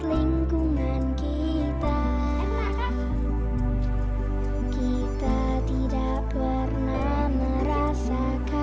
lingkungan kita kita tidak pernah merasakan